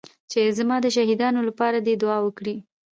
چې زما د شهيدانو لپاره دې دعا وکړي.